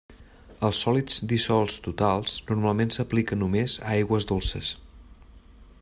Els sòlids dissolts totals normalment s'aplica només a aigües dolces.